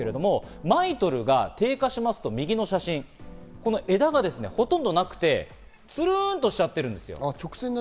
ＭＩＴＯＬが低下しますと右の写真、枝がほとんどなくて、つるんとしちゃってる。